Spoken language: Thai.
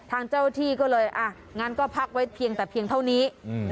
ทางเจ้าที่ก็เลยอ่ะงั้นก็พักไว้เพียงแต่เพียงเท่านี้